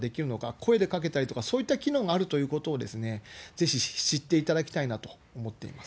声でかけたりとか、そういった機能があるということをぜひ知っていただきたいなと思っています。